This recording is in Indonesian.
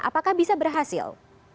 apakah bisa berhasil